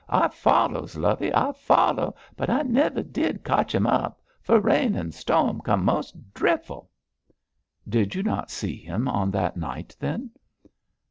I follows, lovey, I follow, but I nivir did cotch him up, fur rain and storm comed mos' dreful.' 'Did you not see him on that night, then?'